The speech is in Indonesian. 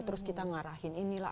terus kita ngarahin ini lah